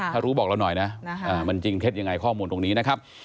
ถ้ารู้บอกเราหน่อยนะมันจริงเท็จยังไงข้อมูลตรงนี้นะครับ